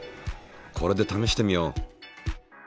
これで試してみよう。